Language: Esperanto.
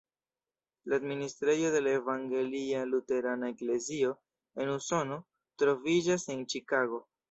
La administrejo de la Evangelia Luterana Eklezio en Usono troviĝas en Ĉikago.